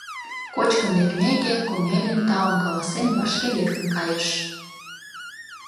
Кочкын лекмеке, Комелин, таум каласен, вашке лектын кайыш.